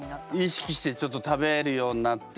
意識してちょっと食べるようになって。